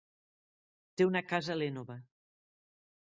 Té una casa a l'Énova.